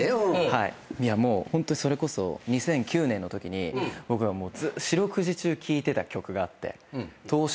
もうホントにそれこそ２００９年のときに僕が四六時中聴いてた曲があって。